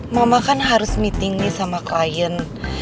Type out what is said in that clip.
mama kan harus meeting nih sama klien